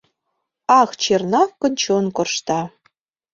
Ах, Чернавкын чон коршта.